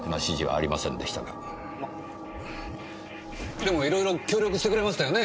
でもいろいろ協力してくれましたよね？